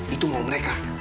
itu mau mereka